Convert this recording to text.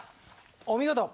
お見事！